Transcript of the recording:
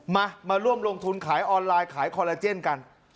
มามาร่วมลงทุนขายออนไลน์ขายคอลลาเจนกัน